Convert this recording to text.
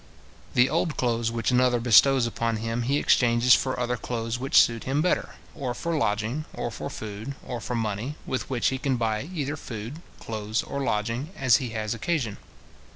The old clothes which another bestows upon him he exchanges for other clothes which suit him better, or for lodging, or for food, or for money, with which he can buy either food, clothes, or lodging, as he has occasion.